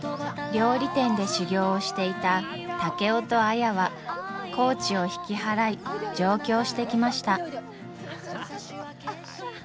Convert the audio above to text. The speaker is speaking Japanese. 料理店で修業をしていた竹雄と綾は高知を引き払い上京してきました。